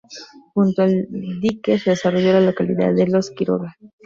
Junto al dique se desarrolló la localidad de Los Quiroga.